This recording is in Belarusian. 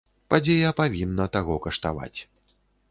Падзея павінна таго каштаваць.